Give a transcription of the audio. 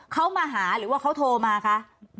เขามาหาหรือว่าเขาโทรมาคะ